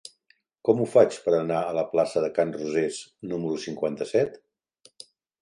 Com ho faig per anar a la plaça de Can Rosés número cinquanta-set?